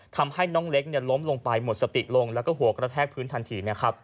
ทำให้น้องเล็กล้มลงไปหมดสติลงแล้วก็หัวกระแทกพื้นทันทีนะครับ